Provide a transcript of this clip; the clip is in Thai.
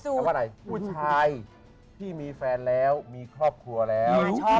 แต่ว่าอะไรผู้ชายที่มีแฟนแล้วมีครอบครัวแล้ว